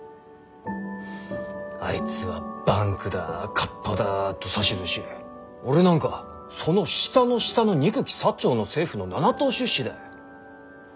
あいつはバンクだカッパだと指図し俺なんかその下の下の憎き長の政府の７等出仕だい。